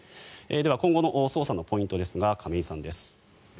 では今後の捜査のポイントですが亀井さんです。